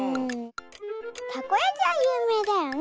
たこやきはゆうめいだよね！